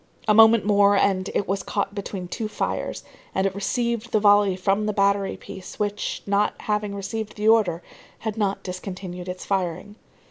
A moment more, and it was caught between two fires, and it received the volley from the battery piece which, not having received the order, had not discontinued its firing.